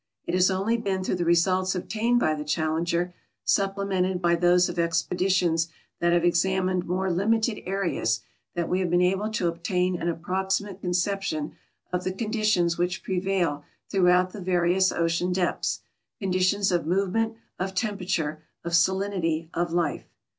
It has only been through the results obtained b}^ the Challenger, supplemented by those of expeditions that have examined more limited areas, that we have been able to obtain an approximate conception of the conditions which prevail throughout the va rious ocean depths — conditions of movement, of temperature, of salinity, of life.